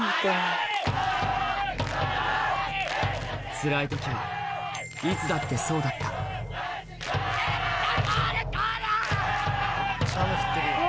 つらい時はいつだってそうだっためっちゃ雨降ってるやん。